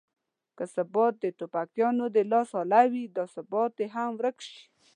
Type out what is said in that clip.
که ثبات د ټوپکیانو د لاس اله وي دا ثبات دې هم ورک شي.